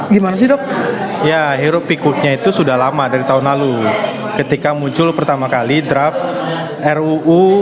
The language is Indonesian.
gimana sih dok ya hirup pikuknya itu sudah lama dari tahun lalu ketika muncul pertama kali draft ruu